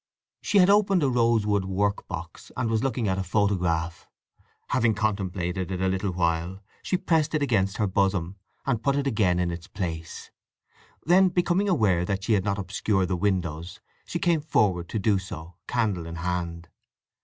She had opened a rosewood work box, and was looking at a photograph. Having contemplated it a little while she pressed it against her bosom, and put it again in its place. Then becoming aware that she had not obscured the windows she came forward to do so, candle in hand.